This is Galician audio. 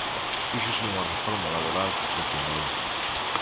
Fíxose unha reforma laboral que funcionou.